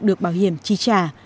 được bảo hiểm tri trả